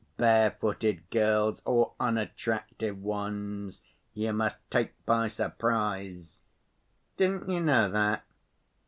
Bare‐footed girls or unattractive ones, you must take by surprise. Didn't you know that?